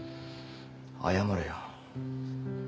謝れよ。